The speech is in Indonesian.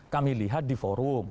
kami lihat di forum